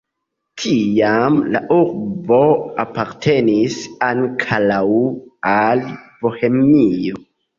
Tiam la urbo apartenis ankoraŭ al Bohemio.